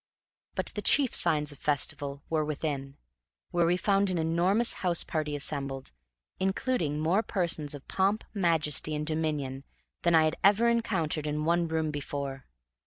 But the chief signs of festival were within, where we found an enormous house party assembled, including more persons of pomp, majesty, and dominion than I had ever encountered in one room before.